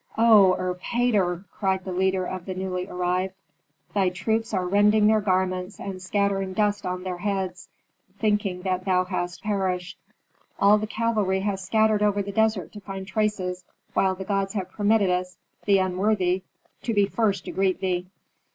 "Oh, Erpatr!" cried the leader of the newly arrived, "thy troops are rending their garments and scattering dust on their heads, thinking that thou hast perished. All the cavalry has scattered over the desert to find traces, while the gods have permitted us, the unworthy, to be first to greet thee."